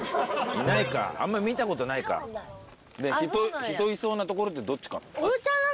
いないかあんま見たことないかねえ人いそうなところってどっちかな？